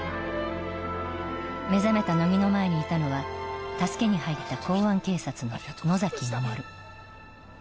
目覚めた乃木の前にいたのは助けに入った公安警察の野崎守